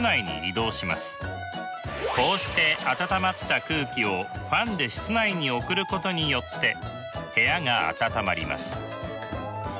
こうして暖まった空気をファンで室内に送ることによって部屋が暖まります。